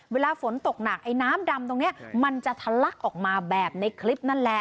เวลาฝนตกหนักไอ้น้ำดำตรงนี้มันจะทะลักออกมาแบบในคลิปนั่นแหละ